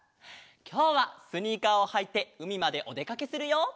きょうはスニーカーをはいてうみまでおでかけするよ。